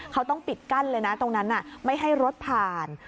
เขาต้องปิดกั้นเลยนะตรงนั้นไม่ให้รถผ่าน